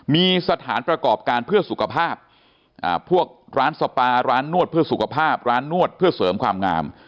มีสถานประกอบการเพื่อสุขภาพพวกร้านสปาร้านนวดเพื่อสุขภาพร้านนวดเพื่อเสริมความงาม